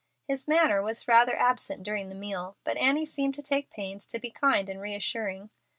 His manner was rather absent during the meal, but Annie seemed to take pains to be kind and reassuring.